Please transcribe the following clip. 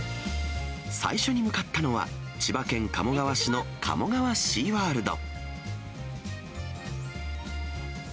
最初に向かったのは、千葉県鴨川市の鴨川シーワールド。